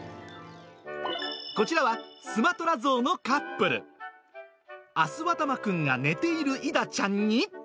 こちらはスマトラゾウのカップル、アスワタマくんが寝ているイダちゃんに。